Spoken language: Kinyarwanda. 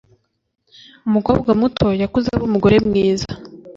Umukobwa muto yakuze aba umugore mwiza